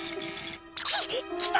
ききた！